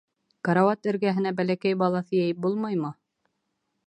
Карауат эргәһенә бәләкәй балаҫ йәйеп булмаймы?